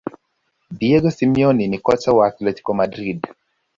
diego simeone ni kocha wa athletico madrid